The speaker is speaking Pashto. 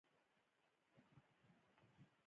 هغه ادعا کوله چې د چنګیز د زوی جوجي له اولاده دی.